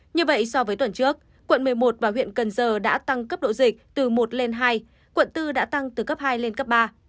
như vậy so với tuần trước quận một mươi một và huyện cần giờ đã tăng cấp độ dịch từ một lên hai quận bốn đã tăng từ cấp hai lên cấp ba